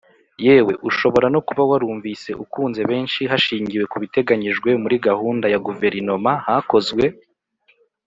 Yewe ushobora no kuba warumvise ukunze benshi hashingiwe ku biteganyijwe muri gahunda ya guverinoma hakozwe